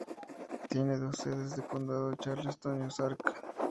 Tiene dos sedes de condado: Charleston y Ozark.